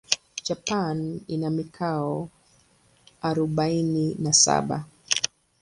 Japan ina mikoa arubaini na saba.